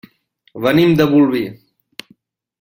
Venim de Bolvir.